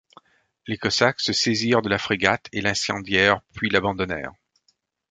Les Cosaques se saisirent de la frégate et l'incendièrent puis l'abandonnèrent.